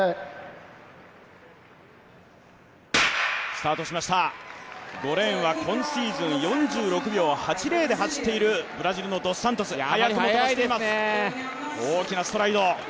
スタートしました、５レーンは今シーズン４６秒８で走っているブラジルのドス・サントス、早くも飛ばしています。